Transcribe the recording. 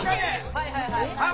はいはいはいはい。